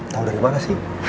tau dari mana sih